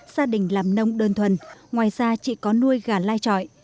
gia đình làm nông đơn thuần ngoài ra chị có nuôi gà lai trọi